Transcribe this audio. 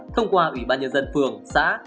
thông qua ủy ban nhân dân phường xã